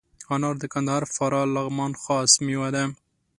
انار د کندهار، فراه، لغمان خاص میوه ده.